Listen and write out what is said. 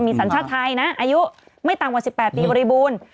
สัญชาติไทยนะอายุไม่ต่ำกว่า๑๘ปีบริบูรณ์